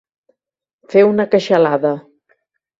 Fer una queixalada.